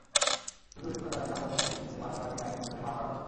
দুদক সূত্র জানায়, সাজ্জাদ হোসেনের বিরুদ্ধে মানি লন্ডারিং আইনে দুদকের মামলা রয়েছে।